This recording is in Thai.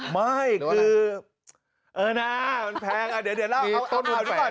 ไม่คือเออนะมันแพงอ่ะเดี๋ยวเล่าต้นมืดแผนเหรอ